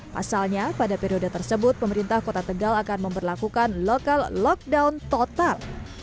pasalnya pada periode tersebut pemerintah kota tegal akan memperlakukan lokal lockdown total